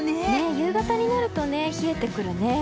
夕方になると、冷えてくるね。